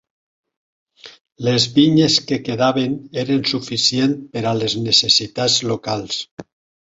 Les vinyes que quedaven eren suficient per a les necessitats locals.